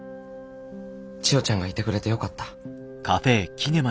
千代ちゃんがいてくれてよかった。